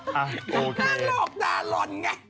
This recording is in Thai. หน้าหลวกหน้าหล่นไง